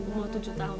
umur tujuh tahun